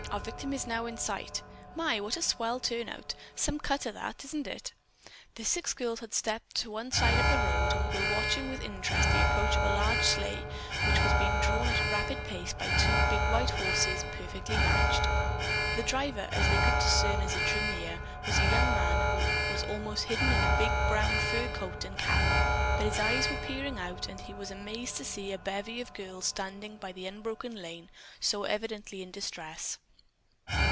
"Our victim is now in sight. My, what a swell turnout! Some cutter that, isn't it?" The six girls had stepped to one side of the road and were watching with interest the approach of a large sleigh which was being drawn at a rapid pace by two big white horses perfectly matched. The driver, as they could discern as it drew nearer, was a young man who was almost hidden in a big brown fur coat and cap, but his eyes were peering out and he was amazed to see a bevy of girls standing by the unbroken lane, so evidently in distress.